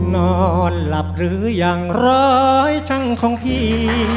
นอนหลับหรือยังร้ายช่างของพี่